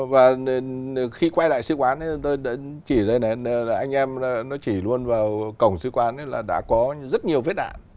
và khi quay lại sứ quán thì anh em nó chỉ luôn vào cổng sứ quán là đã có rất nhiều vết đạn